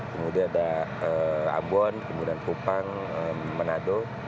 kemudian ada ambon kemudian kupang manado